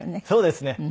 そうですね。